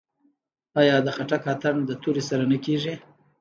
آیا د خټک اتن د تورې سره نه کیږي؟